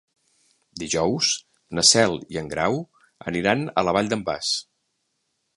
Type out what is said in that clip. Dijous na Cel i en Grau aniran a la Vall d'en Bas.